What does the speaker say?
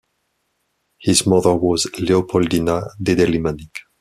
His mother was Leopoldina deDellimanic.